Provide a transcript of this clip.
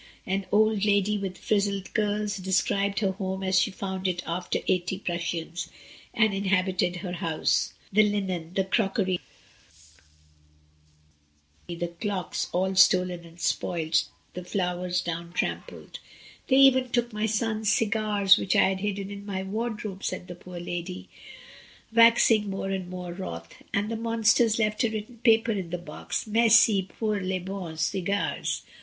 An old lady with frizzed curls described her home as she had found it after eighty Prussians had inhabited her house, the linen, the crocienr, the clocks, all stolen and spoilt, the flowers down trampled. "They even took my son's cigars, which THE BLACK SHADOWS. 1 67 I had hidden in my wardrobe," said the poor lady, waxing more and more wrath; "and the monsters left a written paper in the box, ^Merci pour les bons cigar es!